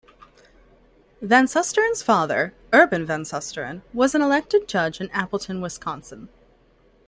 Van Susteren's father, Urban Van Susteren, was an elected judge in Appleton, Wisconsin.